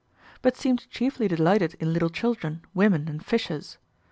but seems chiefly delighted in little children, women, and fishers.